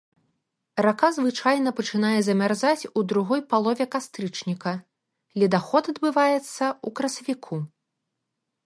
Рака звычайна пачынае замярзаць у другой палове кастрычніка, ледаход адбываецца ў красавіку.